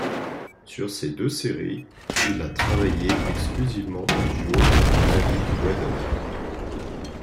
Sur ces deux séries, il a travaillé exclusivement en duo avec David Weddle.